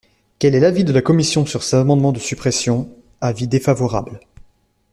Quel est l’avis de la commission sur ces amendements de suppression ? Avis défavorable.